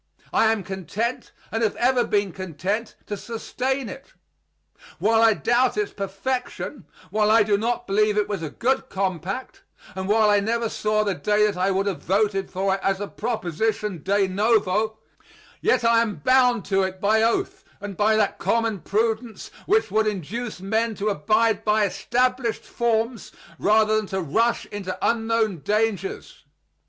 I am content and have ever been content to sustain it. While I doubt its perfection, while I do not believe it was a good compact, and while I never saw the day that I would have voted for it as a proposition de novo, yet I am bound to it by oath and by that common prudence which would induce men to abide by established forms rather than to rush into unknown dangers.